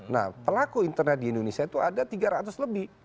nah pelaku internet di indonesia itu ada tiga ratus lebih